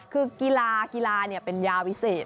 คือกีฬากีฬาเป็นยาวิเศษ